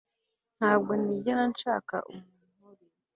ntabwo nigera nshaka umuntu nkuriya